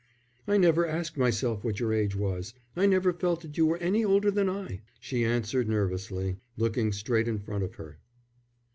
"I never asked myself what your age was. I never felt that you were any older than I." She answered nervously, looking straight in front of her.